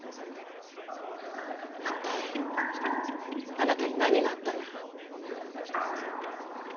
一体あなたに何があったの？